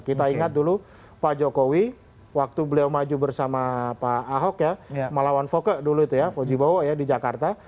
kita ingat dulu pak jokowi waktu beliau maju bersama pak ahok ya melawan foke dulu itu ya fojibowo ya di jakarta